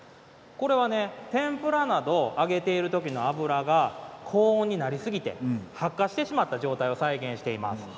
天ぷらなどを揚げている時の油が高温になりすぎて発火してしまった状態を再現しています。